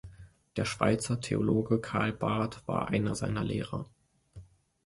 Der Schweizer Theologe Karl Barth war einer seiner Lehrer.